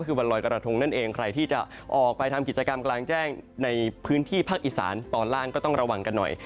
คือวันลอยกระทงนั่นเองใครที่จะออกไปทำกิจกรรมกลางแจ้งในพื้นที่ภาคอีสานตอนล่างก็ต้องระวังกันหน่อย